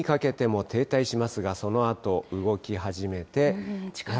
このあとあすにかけても停滞しますが、そのあと動き始めて。